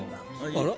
あら？